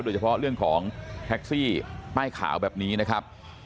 โดยเฉพาะเรื่องของแท็กซี่ป้ายขาวแบบนี้นะครับ